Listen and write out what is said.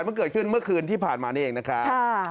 มันเกิดขึ้นเมื่อคืนที่ผ่านมานี่เองนะครับ